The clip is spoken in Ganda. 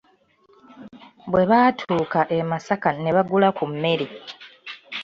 Bwe baatuuka e Masaka ne bagula ku mmere